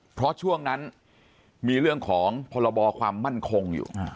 เพราะช่วงนั้นมีเรื่องของพรบความมั่นคงอยู่